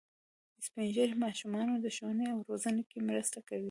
سپین ږیری د ماشومانو د ښوونې او روزنې کې مرسته کوي